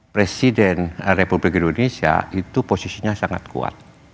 presiden republik indonesia itu posisinya sangat kuat